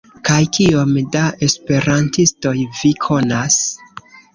Kaj kiom da esperantistoj vi konas?